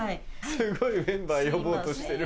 すごいメンバー呼ぼうとしてる。